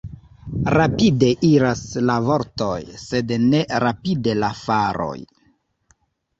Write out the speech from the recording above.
Rapide iras la vortoj, sed ne rapide la faroj.